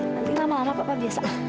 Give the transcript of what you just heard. nanti lama lama bapak biasa